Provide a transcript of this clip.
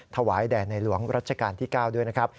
ถวายแด่ในหลวงรัชกาลที่๙ด้วยนะครับ